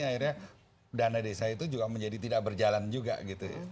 akhirnya dana desa itu juga menjadi tidak berjalan juga gitu